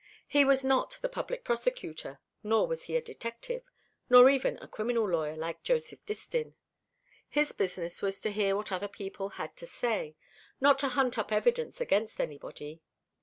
He was not the Public Prosecutor, nor was he a detective, nor even a criminal lawyer, like Joseph Distin. His business was to hear what other people had to say, not to hunt up evidence against anybody.